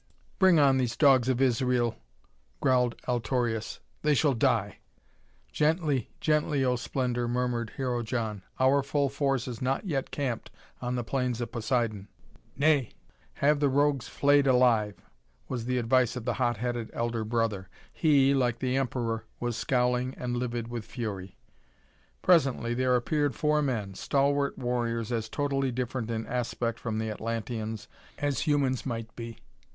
"Bring on these dogs of Israel," growled Altorius. "They shall die!" "Gently, gently, oh Splendor," murmured Hero John. "Our full force is not yet camped on the Plains of Poseidon." "Nay! Have the rogues flayed alive!" was the advice of the hot headed elder brother. He, like the Emperor, was scowling and livid with fury. Presently there appeared four men, stalwart warriors as totally different in aspect from the Atlanteans as humans might be.